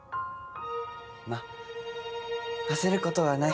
まっ焦ることはない。